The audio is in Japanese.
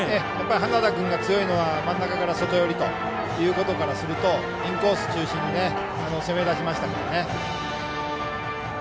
花田君が強いのは真ん中から外寄りとインコース中心で攻め出しましたからね。